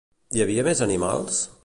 Hi havia més animals?